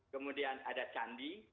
kemudian ada candi